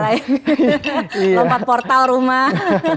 lompat portal rumah